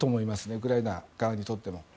ウクライナ側にとっては。